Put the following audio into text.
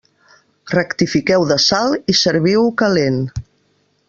Rectifiqueu de sal i serviu-ho calent.